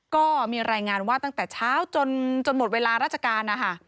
ก็มีรายงานว่าตั้งแต่เช้าจนหมดเวลาราชการนะคะ